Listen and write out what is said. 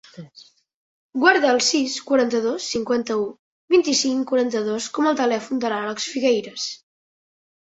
Guarda el sis, quaranta-dos, cinquanta-u, vint-i-cinc, quaranta-dos com a telèfon de l'Àlex Figueiras.